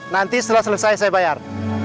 nanti setelah selesai saya bayar